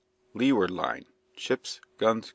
LEEWARD LINE. Ships. Guns.